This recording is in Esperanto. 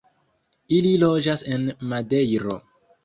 Ili loĝas en Madejro.